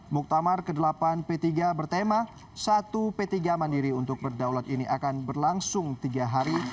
muktamar ke delapan p tiga bertema satu p tiga mandiri untuk berdaulat ini akan berlangsung tiga hari